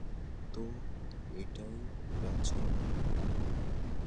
তো, এটাই রাজকন্যা।